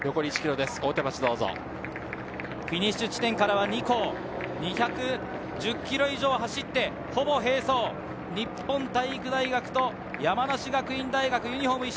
フィニッシュ地点からは２校、２１０ｋｍ以上走ってほぼ並走、日本体育大学と山梨学院大学。